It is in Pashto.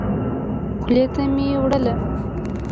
خولې ته مي وړله .